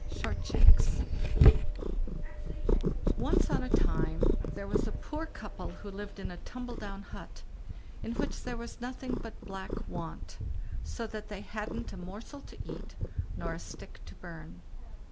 SHORTSHANKS Once on a time, there was a poor couple who lived in a tumble down hut, in which there was nothing but black want, so that they hadn't a morsel to eat, nor a stick to burn.